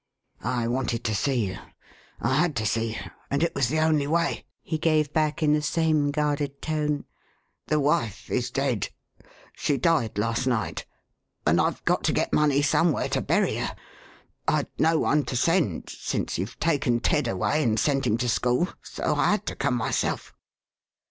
"I wanted to see you I had to see you and it was the only way," he gave back in the same guarded tone. "The wife is dead. She died last night, and I've got to get money somewhere to bury her. I'd no one to send, since you've taken Ted away and sent him to school, so I had to come myself."